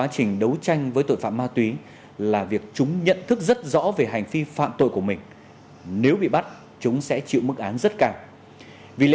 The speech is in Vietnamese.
cùng với đó là việc giữ bí mật thông tin